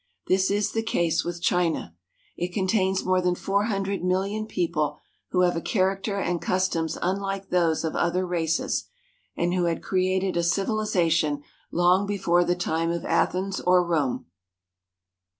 This is the case with China. It contains more than four hundred million people who have a character and customs unlike those of other races, and who had created a civilization long before the time of Athens or Rome.